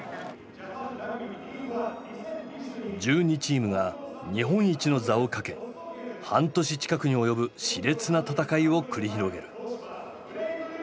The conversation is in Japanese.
１２チームが日本一の座をかけ半年近くに及ぶしれつな戦いを繰り広げる。